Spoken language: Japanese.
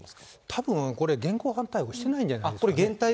たぶん、これ、現行犯逮捕してないんじゃないですかね。